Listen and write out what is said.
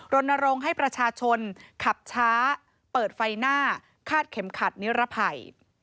รณรงค์ให้ประชาชนขับช้าเปิดไฟหน้าคาดเข็มขัดนิรภัย